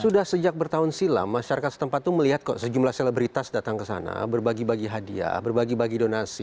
sudah sejak bertahun silam masyarakat setempat itu melihat kok sejumlah selebritas datang ke sana berbagi bagi hadiah berbagi bagi donasi